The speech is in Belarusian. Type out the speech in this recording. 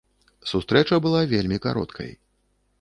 Сустрэча была вельмі кароткай.